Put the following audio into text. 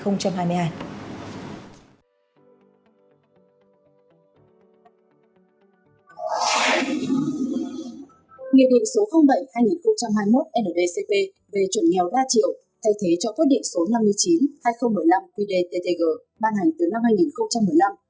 nghị định số bảy hai nghìn hai mươi một nvcp về chuẩn nghèo đa triệu thay thế cho quyết định số năm mươi chín hai nghìn một mươi năm quy đề ttg ban hành từ năm hai nghìn một mươi năm